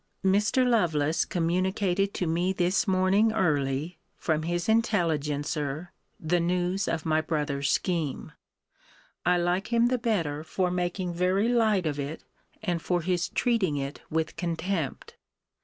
Mr. Lovelace communicated to me this morning early, from his intelligencer, the news of my brother's scheme. I like him the better for making very light of it, and for his treating it with contempt.